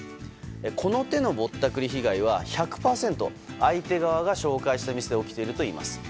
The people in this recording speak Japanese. この手のぼったくり被害は１００％相手側が紹介した店で起きているといいます。